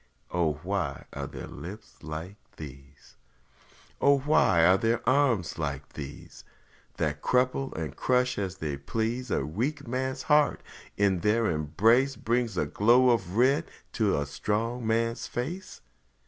O why are there lips like these? O why are there arms like these? That crumple and crush as they please A weak man's heart, and in their embrace Bring a glow of red to a strong man's face?